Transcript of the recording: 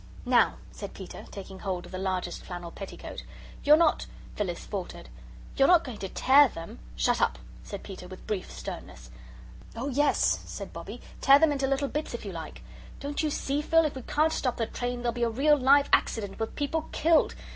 "Now," said Peter, taking hold of the largest flannel petticoat. "You're not" Phyllis faltered "you're not going to TEAR them?" "Shut up," said Peter, with brief sternness. "Oh, yes," said Bobbie, "tear them into little bits if you like. Don't you see, Phil, if we can't stop the train, there'll be a real live accident, with people KILLED.